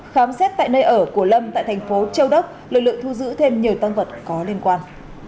khám xét tại nơi ở của lâm tại thành phố châu đốc lực lượng thu giữ thêm nhiều tăng vật có liên quan